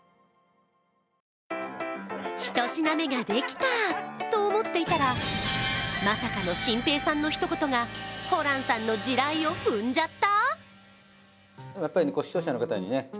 １品目ができたと思っていたら、まさかの心平さんの一言がホランさんの地雷を踏んじゃった？